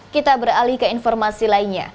kita beralih ke informasi lainnya